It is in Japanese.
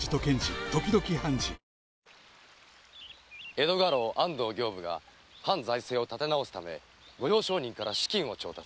江戸家老・安藤刑部が藩財政を立て直すため御用商人から資金を調達